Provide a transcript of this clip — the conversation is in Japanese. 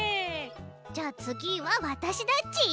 じゃあ次はわたしだち。